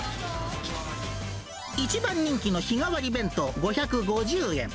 一番人気の日替わり弁当５５０円。